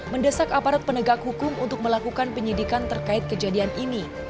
mendesak aparat penegak hukum untuk melakukan penyidikan terkait kejadian ini